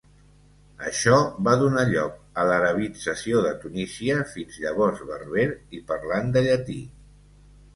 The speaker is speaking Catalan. Això va donar lloc a l'arabització de Tunísia fins llavors berber i parlant de llatí.